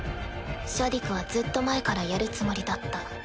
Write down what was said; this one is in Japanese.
シャディクはずっと前からやるつもりだった。